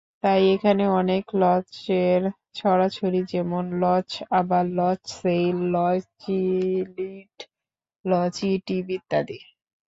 তাই এখানে অনেক লচের ছড়াছড়ি, যেমন লচআবার, লচসেইল, লচইলিট, লচইটিভ ইত্যাদি।